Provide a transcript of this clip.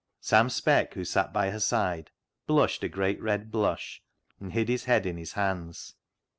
Sam Speck, who sat by her side, blushed a great red blush, and hid his head in his hands.